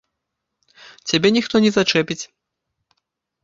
Цябе ніхто не зачэпіць.